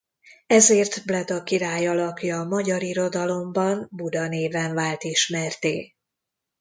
Ezért Bleda király alakja a magyar irodalomban Buda néven vált ismertté.